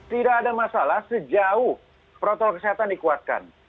tidak ada masalah sejauh protokol kesehatan dikuatkan